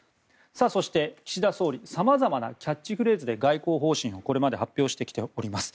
そして岸田総理はさまざまなキャッチフレーズで外交方針をこれまで発表してきております。